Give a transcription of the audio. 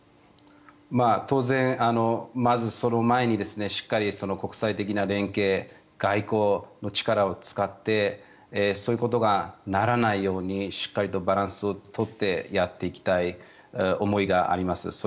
当然、まずその前にしっかり国際的な連携外交の力を使ってそういうことがならないようにしっかりとバランスを取ってやっていきたい思いがあります。